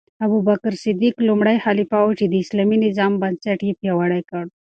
ابوبکر صدیق لومړی خلیفه و چې د اسلامي نظام بنسټ یې پیاوړی کړ.